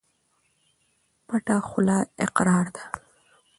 پټه خوله اقرار ده.